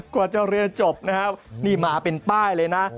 กว่าจะเรียนจบนะครับนี่มาเป็นป้ายเลยนะ